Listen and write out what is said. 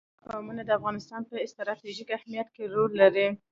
قومونه د افغانستان په ستراتیژیک اهمیت کې رول لري.